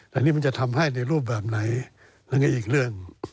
แต่นี่คุณจะทำให้ในรูปแบบไหนแล้วไงอีกเรื่อง